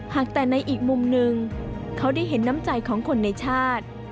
หากแต่ในอีกมุมหนึ่งเขาได้เห็นน้ำใจของคนในชาติ